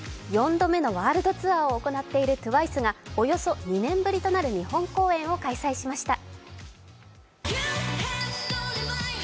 ４度目のワールドツアーを行っているＴＷＩＣＥがおよそ２年ぶりとなる日本公演を開催しました。